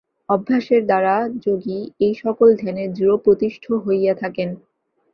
অভ্যাসের দ্বারা যোগী এই-সকল ধ্যানের দৃঢ়প্রতিষ্ঠ হইয়া থাকেন।